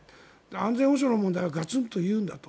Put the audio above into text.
安全保障の問題はガツンと言うんだと。